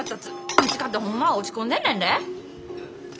ウチかてホンマは落ち込んでんねんで！